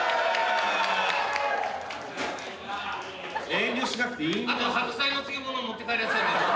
遠慮しなくていいんだよ。